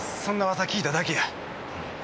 そんな噂聞いただけや。